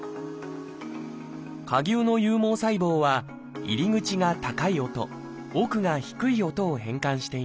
蝸牛の有毛細胞は入り口が高い音奥が低い音を変換しています。